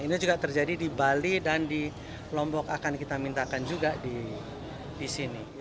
ini juga terjadi di bali dan di lombok akan kita mintakan juga di sini